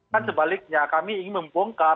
kan sebaliknya kami ingin membongkar